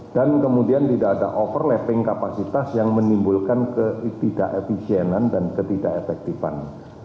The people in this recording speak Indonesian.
dan kemudian tidak ada overlapping kapasitas yang menimbulkan ketidak efisienan dan ketidak efektifan